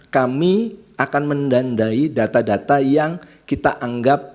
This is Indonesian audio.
kami akan mendandai data data yang kita anggap